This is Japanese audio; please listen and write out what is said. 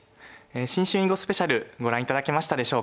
新春囲碁スペシャルご覧頂けましたでしょうか。